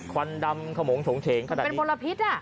ควันดำเขาโหมงโฉงเชงขนาดนี้มันเป็นบรพิษอ่ะ